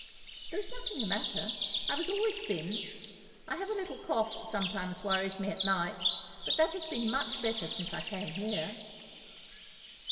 "There is nothing the matter. I was always thin. I have a little cough that sometimes worries me at night, but that has been much better since I came here."